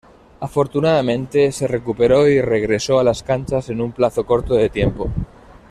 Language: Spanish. Afortunadamente, se recuperó y regresó a las canchas en un plazo corto de tiempo.